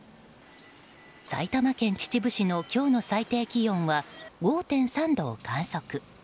埼玉県秩父市の今日の最低気温は５．３度を観測。